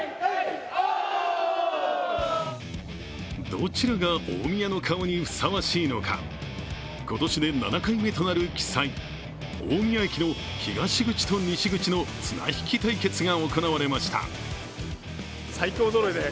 どちらが大宮の顔にふさわしいのか、今年で７回目となる奇祭、大宮駅の東口と西口の綱引き対決が行われました。